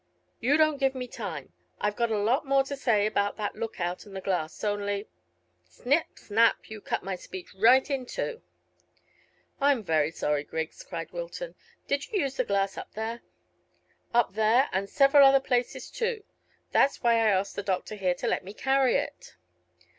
You don't give me time. I've got a lot more to say about that lookout and the glass, only snip snap, you cut my speech right in two." "I'm very sorry, Griggs," cried Wilton. "Did you use the glass up there?" "Up there, and several other places too. That's why I asked the doctor here to let me carry it."